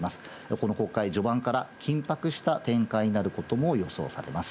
この国会、序盤から緊迫した展開になることも予想されます。